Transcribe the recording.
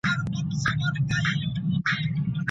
پیسې بې زحمته نه ګټل کېږي.